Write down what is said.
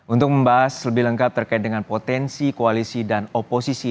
untuk membahas lebih lengkap terkait dengan potensi koalisi dan oposisi